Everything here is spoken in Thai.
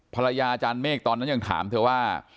อาจารย์เมฆตอนนั้นยังถามเธอว่า